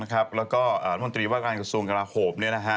แล้วก็มนตรีวัฒนาการกระทรวงกระหลาโหบ